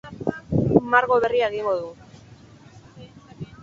Margo berria egingo du.